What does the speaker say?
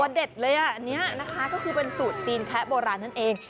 เด็ดเลยอ่ะอันนี้นะคะก็คือเป็นสูตรจีนแคะโบราณนั่นเอง